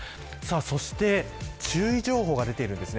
そして、注意情報が出ています。